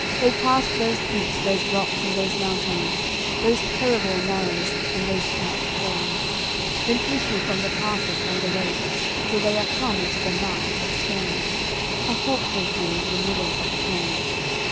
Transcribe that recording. They pass those peaks, those rocks and those mountains, Those terrible narrows, and those deep vales, Then issue from the passes and the wastes Till they are come into the March of Spain; A halt they've made, in th'middle of a plain.